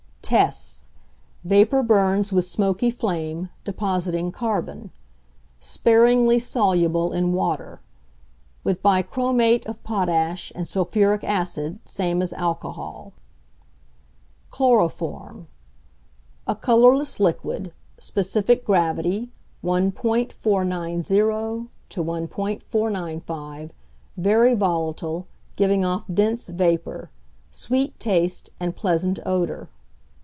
Tests. Vapour burns with smoky flame, depositing carbon. Sparingly soluble in water. With bichromate of potash and sulphuric acid same as alcohol. =Chloroform.= A colourless liquid, specific gravity 1.490 to 1.495, very volatile, giving off dense vapour. Sweet taste and pleasant odour.